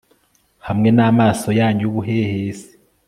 hamwe n'amaso yanyu y'ubuhehesi